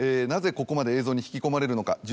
なぜここまで映像に引き込まれるか。